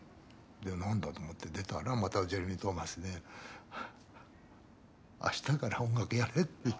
何だと思って出たらまたジェレミー・トーマスで「明日から音楽やれ」って。